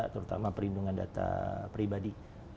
terutama perlindungan data pribadi